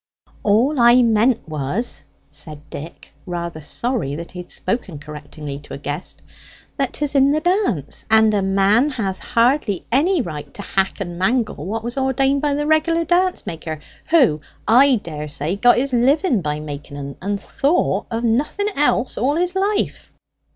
"All I meant was," said Dick, rather sorry that he had spoken correctingly to a guest, "that 'tis in the dance; and a man has hardly any right to hack and mangle what was ordained by the regular dance maker, who, I daresay, got his living by making 'em, and thought of nothing else all his life."